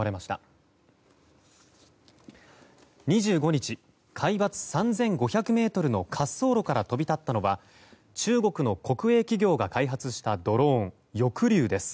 ２５日、海抜３５００ｍの滑走路から飛び立ったのは中国の国営企業が開発したドローン「翼竜」です。